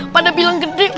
pada bilang gede pak d